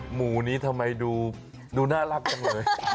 หมูนี้ทำไมดูน่ารักจังเลย